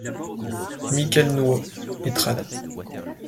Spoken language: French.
Michel Nouhaud et trad.